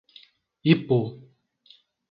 Ipu